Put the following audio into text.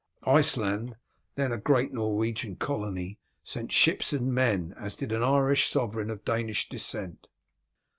Iceland, then a great Norwegian colony, sent ships and men, as did an Irish sovereign of Danish descent.